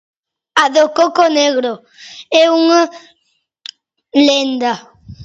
A do coco negro. É unha lenda.